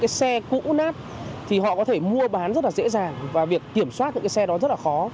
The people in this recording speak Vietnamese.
cái xe cũ nát thì họ có thể mua bán rất là dễ dàng và việc kiểm soát những cái xe đó rất là khó